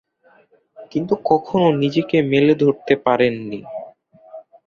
কিন্তু কখনো নিজেকে মেলে ধরতে পারেননি।